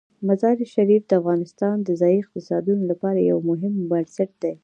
مزارشریف د افغانستان د ځایي اقتصادونو لپاره یو مهم بنسټ دی.